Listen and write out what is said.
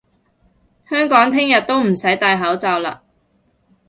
香港聽日都唔使戴口罩嘞！